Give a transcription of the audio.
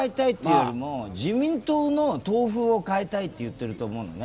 自民党の党風を変えたいと言っていると思うのね。